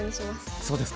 そうですか？